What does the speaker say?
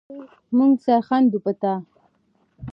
مونږ سر ښندو په تا